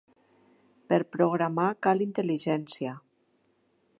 Per programar cal intel·ligència.